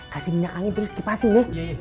kasih minyak ane terus kipasin